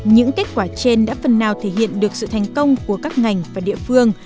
những kết quả trên đã phần nào thể hiện được sự thành công của các ngành và địa phương